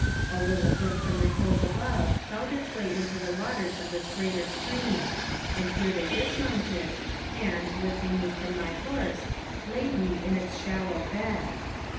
A little brook from the hills above found its way into the waters of this greater stream, and here they dismounted, and, lifting me from my horse, kiid me in its shallow bed.